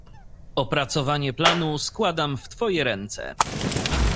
"Opracowanie planu składam w twoje ręce."